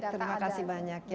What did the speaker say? terima kasih banyak